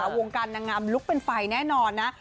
วงการนางงามลุกเป็นไฟแน่นอนนะ